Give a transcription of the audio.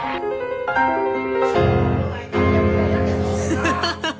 アハハハ！